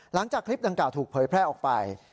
หลังจากคลิปดังกล่าวถูกเผยแพร่ออกไป